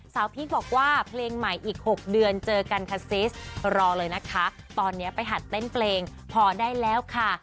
พีคบอกว่าเพลงใหม่อีก๖เดือนเจอกันค่ะซิสรอเลยนะคะตอนนี้ไปหัดเต้นเพลงพอได้แล้วค่ะ